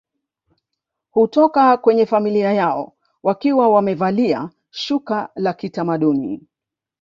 Hutoka kwenye familia yao wakiwa wamevalia shuka la kitamaduni